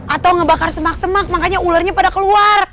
atau ngebakar semak semak makanya ularnya pada keluar